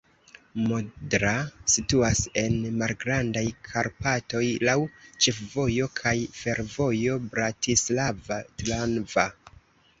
Modra situas en Malgrandaj Karpatoj, laŭ ĉefvojo kaj fervojo Bratislava-Trnava.